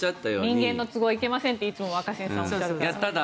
人間の都合はいけませんといつも若新さんがおっしゃる。